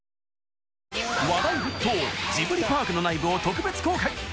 話題沸騰ジブリパークの内部を特別公開。